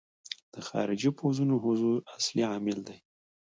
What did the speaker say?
د خارجي پوځونو حضور اصلي عامل دی.